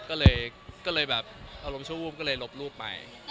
ก็เลยแบบอารมณ์ชั่ววูบก็เลยลบรูปไป